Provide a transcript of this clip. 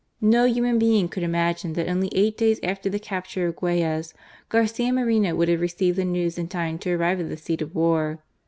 No human being could imagine that only eight days after the capture of the Guayas, Garcia Moreno would have received the news in time to arrive at the seat of war.